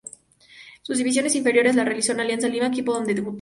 Sus divisiones inferiores las realizó en Alianza Lima, equipo donde debutó.